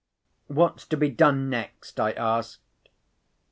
"What's to be done next?" I asked.